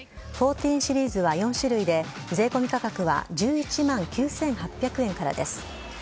１４シリーズは４種類で税込み価格は１１万９８００円からです。